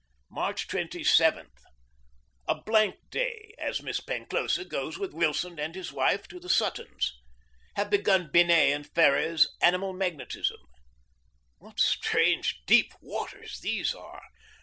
March 27. A blank day, as Miss Penclosa goes with Wilson and his wife to the Suttons'. Have begun Binet and Ferre's "Animal Magnetism." What strange, deep waters these are!